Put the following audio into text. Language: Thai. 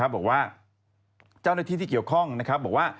บอกว่าเจ้าหน้าที่ที่เกี่ยวข้องบอกว่า